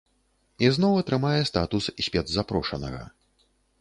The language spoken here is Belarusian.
І зноў атрымае статус спецзапрошанага.